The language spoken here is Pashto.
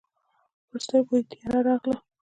پر سترګو یې تياره راغله.